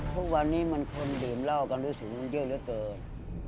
ทุกวันนี้มันคนดื่มเหล้ากันรู้สึกมันเยอะเหลือเกิน